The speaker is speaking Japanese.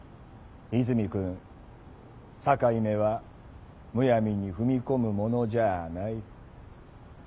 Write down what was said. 泉くん「境目」はむやみに踏み込むものじゃあない。